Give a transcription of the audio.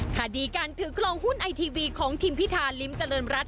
คดีการถือกรองหุ้นไอทีวีของทิมพิธาลิ้มเจริญรัฐ